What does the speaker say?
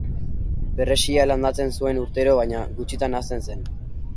Perrexila landatzen zuen urtero baina gutxitan hazten zen.